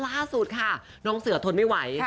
ล่าสุดค่ะน้องเสือทนไม่ไหว